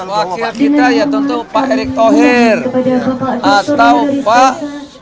wakil kita ya tentu pak erick thohir atau pak